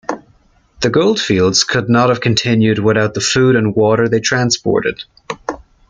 The goldfields could not have continued without the food and water they transported.